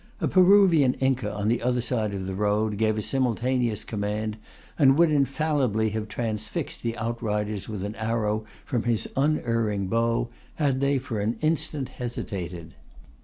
A Peruvian Inca on the other side of the road gave a simultaneous command, and would infallibly have transfixed the outriders with an arrow from his unerring bow, had they for an instant hesitated.